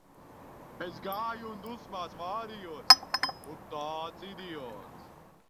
Es gāju un dusmās vārījos, nu tāds idiots.